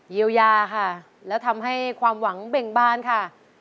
เยียวยาค่ะแล้วทำให้ความหวังเบ่งบานค่ะ